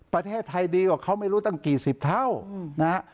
ประเทศไทยดีกว่าเขาไม่รู้ตั้งกี่สิบเท่านะฮะ